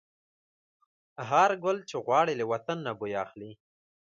هر ګل چې غوړي، له وطن نه بوی اخلي